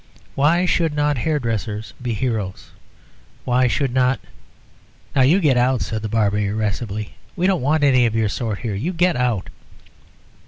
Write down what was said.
Why should not hairdressers be heroes? Why should not " "Now, you get out," said the barber, irascibly. "We don't want any of your sort here. You get out."